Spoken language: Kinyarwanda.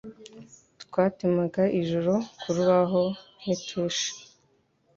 Twatemaga ijoro ku rubaho n'itushi